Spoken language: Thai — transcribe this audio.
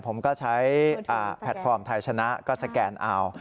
ผมก็ใช้แพลตฟอร์มไทยชนะก็สแกนเอา